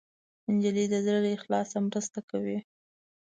نجلۍ د زړه له اخلاصه مرسته کوي.